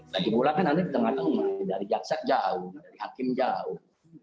lagi pulang kan nanti di tengah rumah dari jaksat jauh dari hakim jauh